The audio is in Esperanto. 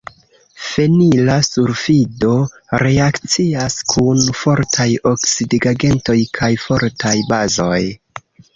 Fenila sulfido reakcias kun fortaj oksidigagentoj kaj fortaj bazoj.